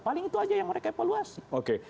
paling itu aja yang mereka evaluasi oke